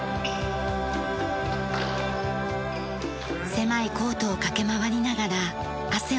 狭いコートを駆け回りながら汗を流します。